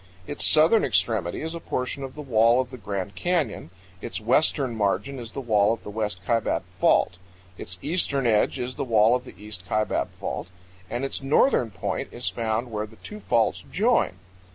Its southern extremity is a portion of the wall of the Grand Canyon; its western margin is the wall of the West Kaibab Fault; its eastern edge is the wall of the East Kaibab Fault; and its northern point is found where the two faults join.